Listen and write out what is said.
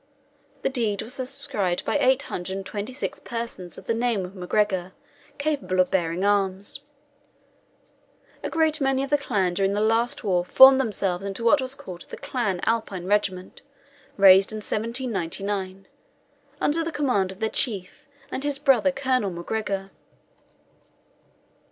The deed was subscribed by eight hundred and twenty six persons of the name of MacGregor, capable of bearing arms. A great many of the clan during the last war formed themselves into what was called the Clan Alpine Regiment, raised in 1799, under the command of their Chief and his brother Colonel MacGregor.